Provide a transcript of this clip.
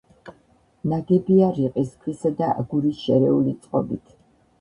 ნაგებია რიყის ქვისა და აგურის შერეული წყობით.